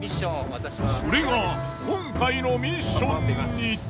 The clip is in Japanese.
それが今回のミッションに。